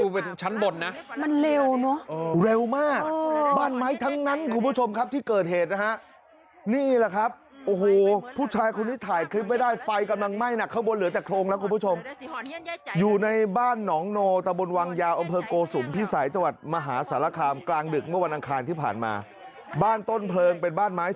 แป๊บเดียวมันไหม้เจ็ดหลังเลย